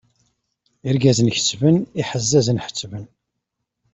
Irgazen kettben, iḥezzazen ḥettben.